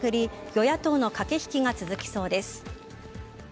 与野党の駆け引きが続きそうです。